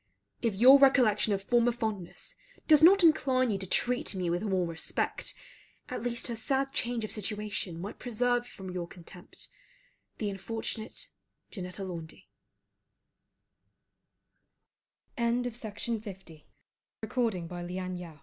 If your recollection of former fondness does not incline you to treat me with more respect, at least her sad change of situation might preserve from your contempt, the unfortunate JANETTA LAUNDY LETTER XIII FROM LORD FILMAR TO JANETTA LAUNDY